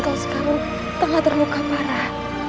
kau sekarang tengah terluka marah